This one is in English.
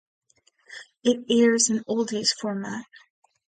It airs an oldies format.